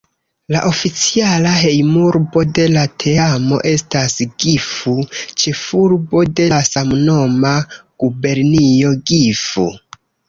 La oficiala hejmurbo de la teamo estas Gifu, ĉefurbo de la samnoma gubernio Gifu.